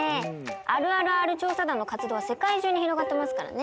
あるあるＲ調査団の活動は世界中に広がってますからね。